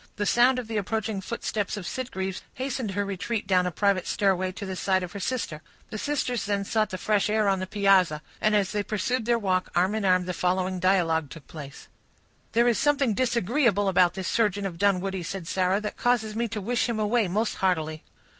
The sound of the approaching footsteps of Sitgreaves hastened her retreat down a private stairway, to the side of her sister. The sisters then sought the fresh air on the piazza; and as they pursued their walk, arm in arm, the following dialogue took place:— "There is something disagreeable about this surgeon of Dunwoodie," said Sarah, "that causes me to wish him away most heartily."